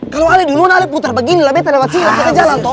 kalau ale duluan ale putar begini lah beta nembak cina kita jalan toh